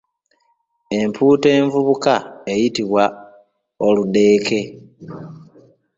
Empuuta envubuka eyitibwa Oludeeke.